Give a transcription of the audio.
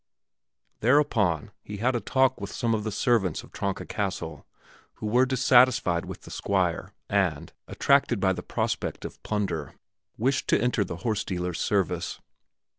Thereupon he had a talk with some of the servants of Tronka Castle who were dissatisfied with the Squire and, attracted by the prospect of plunder, wished to enter the horse dealer's service.